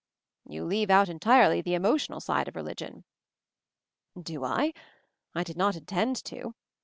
"You leave out entirely the emotional side of religion." "Do I ? I did not intend to.